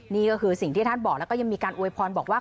นี่ก็คือสิ่งที่ท่านบอกแล้วก็ยังมีการอวยพรบอกว่า